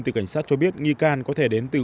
từ cảnh sát cho biết nghi can có thể đến từ